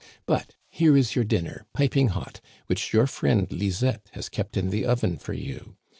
But here is your dinner, piping hot, which your friend Lisette has kept in the oven for you.